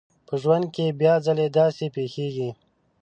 په ژوند کې بيا ځلې داسې پېښېږي.